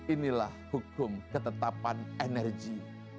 inilah hukum ketetapan energi